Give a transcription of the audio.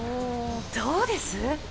どうです？